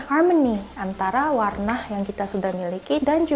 harmony antara warna yang kita suda miliki dan